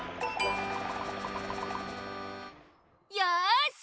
よし！